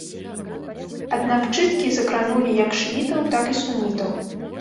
Аднак чысткі закранулі як шыітаў, так і сунітаў.